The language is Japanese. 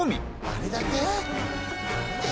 「あれだけ？」